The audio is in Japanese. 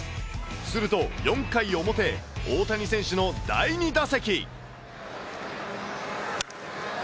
すると、４回表、大谷選手の第２打席。